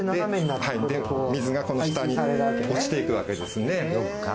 で水がこの下に落ちていくわけですね。